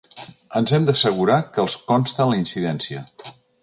Ens hem d'assegurar que els consta la incidència.